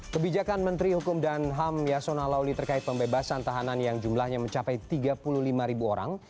kebijakan menteri hukum dan ham yasona lawli terkait pembebasan tahanan yang jumlahnya mencapai tiga puluh lima ribu orang